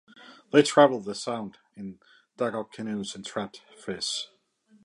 They traveled the sound in dugout canoes, and trapped fish.